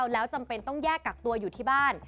แล้วจำเป็นต้องแยกกักตัวอยู่ที่บ้าน